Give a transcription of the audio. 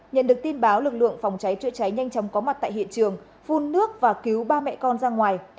nhận được tin báo lực lượng phòng cháy chữa cháy nhanh chóng có mặt tại hiện trường phun nước và cứu ba mẹ con ra ngoài